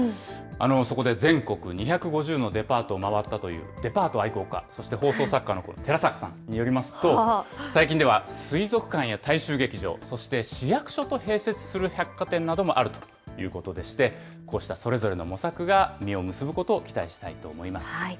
そこで全国２５０のデパートを回ったというデパート愛好家、そして放送作家の寺坂さんによりますと、最近では水族館や大衆劇場、そして市役所と併設する百貨店などもあるということでして、こうしたそれぞれの模索が実を結ぶことを期待したいと思います。